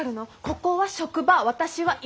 ここは職場私は今。